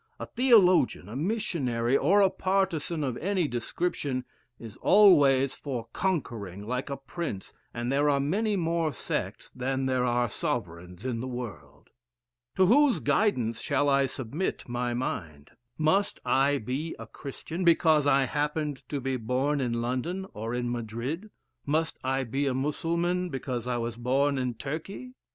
A theologian, a missionary, or a partisan of any description, is always for conquering like a prince, and there are many more sects than there are sovereigns in the world. To whose guidance shall I submit my mind? Must I be a Christian, be cause I happened to be born in London, or in Madrid? Must I be a Mussulman, because I was born in Turkey?